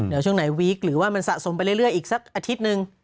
เดี๋ยวช่วงไหนวีคหรือว่ามันสะสมไปเรื่อยอีกสักอาทิตย์หนึ่ง